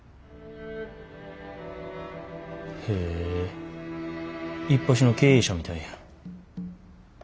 へえいっぱしの経営者みたいやん。